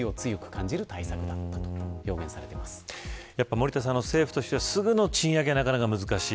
森田さん、政府としてはすぐの賃上げはなかなか難しい。